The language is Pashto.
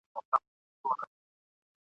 بېګانه له خپله ښاره، له خپل کلي پردو خلکو! !.